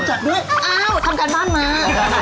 อ้าวทำการบ้านมา